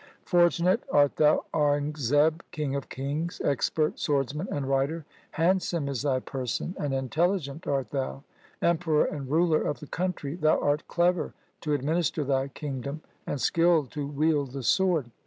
' Fortunate art thou Aurangzeb, king of kings, expert swordsman and rider. Handsome is thy person, and intelli gent art thou. Emperor and ruler of the country, thou art clever to administer thy kingdom, and skilled to wield the sword.